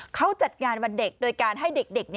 เขาจัดงานวันเด็กโดยการให้เด็ก